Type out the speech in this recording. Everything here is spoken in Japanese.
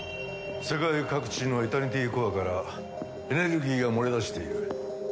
世界各地のエタニティコアからエネルギーが漏れ出している。